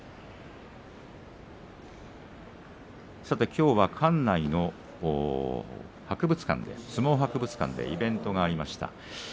きょうは館内の相撲博物館でイベントがありました。